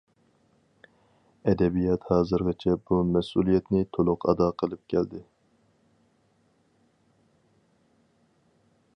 ئەدەبىيات ھازىرغىچە بۇ مەسئۇلىيەتنى تولۇق ئادا قىلىپ كەلدى.